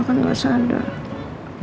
gak usah ada